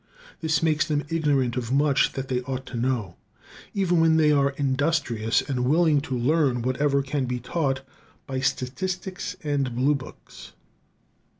This makes them ignorant of much that they ought to know, even when they are industrious and willing to learn whatever can be taught by statistics and blue books.